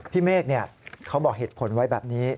เมฆเขาบอกเหตุผลไว้แบบนี้